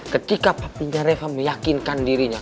ketika papinya reha meyakinkan dirinya